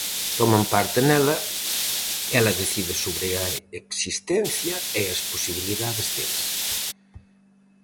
Toman parte nela; ela decide sobre a existencia e as posibilidades deles.